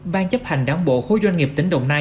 ban chấp hành đảng bộ khối doanh nghiệp tỉnh đồng nai